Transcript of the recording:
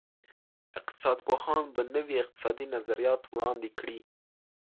اقتصاد پوهان به نوي اقتصادي نظریات وړاندې کړي.